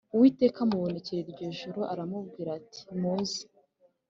Uwiteka amubonekera iryo joro aramubwira ati muze